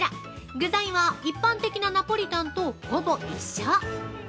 具材は一般的なナポリタンとほぼ一緒！